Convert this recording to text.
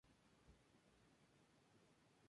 Como actividades se destacan el trekking y cabalgatas.